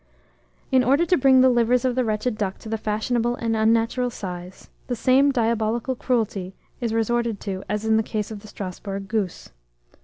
In order to bring the livers of the wretched duck to the fashionable and unnatural size, the same diabolical cruelty is resorted to as in the case of the Strasburg goose.